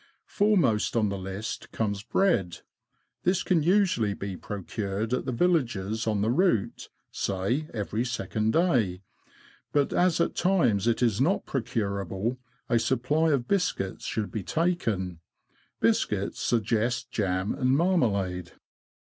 Foremost on the list comes bread ; this can usually be procured at the villages on the route, say, every second day ; but as at times it is not procurable, a supply of biscuits should be taken. Biscuits suggest jam and marmalade.